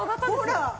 ほら！